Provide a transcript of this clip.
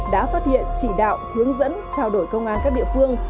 đã phát hiện chỉ đạo hướng dẫn trao đổi công an các địa phương